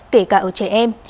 kể cả ở trẻ em